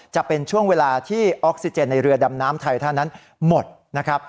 จะเป็นช่วงเวลาที่ออกซิเจนในเรือดำน้ำไทท่านนั้นหมดนะครับ